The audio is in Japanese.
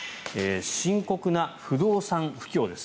深刻な不動産不況です。